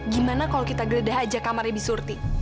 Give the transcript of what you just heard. gimana kalau kita geledah aja kamarnya di surti